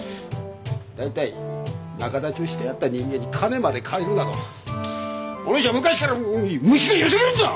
大体仲立ちをしてやった人間に金まで借りるなどお主は昔から虫がよすぎるんじゃ！